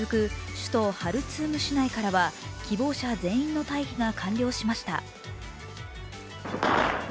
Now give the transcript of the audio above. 首都ハルツーム市内からは希望者全員の退避が完了しました。